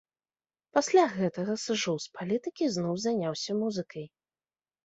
Пасля гэтага сышоў з палітыкі і зноў заняўся музыкай.